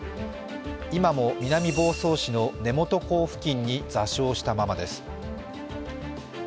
今も南房総市の根本港付近に座礁したままです。